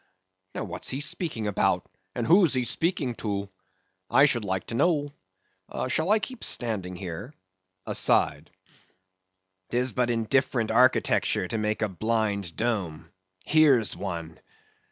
Now, what's he speaking about, and who's he speaking to, I should like to know? Shall I keep standing here? (aside). 'Tis but indifferent architecture to make a blind dome; here's one.